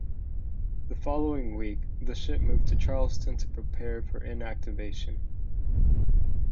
The following week, the ship moved to Charleston to prepare for inactivation.